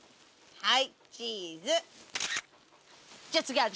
はい。